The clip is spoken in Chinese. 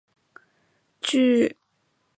锯脂鲤亚科与其他脂鲤目的关系仍有待确定。